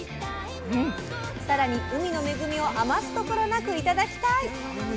更に海の恵みを余すところなく頂きたい！